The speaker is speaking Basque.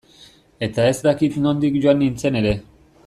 Eta ez dakit nondik joan nintzen ere.